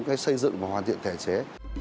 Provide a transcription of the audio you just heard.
cái xây dựng và hoàn thiện thể chế